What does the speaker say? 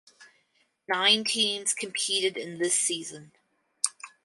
Nine teams competed in this season.